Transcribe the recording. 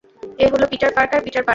এ হলো Peter Parker, Peter Parker.